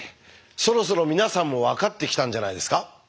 そろそろ皆さんも分かってきたんじゃないですか？